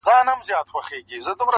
څوك به بولي له آمو تر اباسينه-